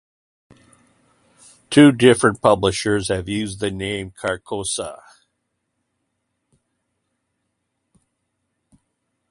Two different publishers have used the name Carcosa.